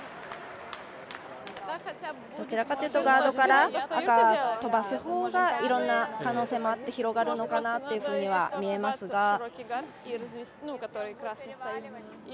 どちらかというとガードから赤を飛ばすほうがいろんな可能性もあって広がるのかなというふうには見えますが。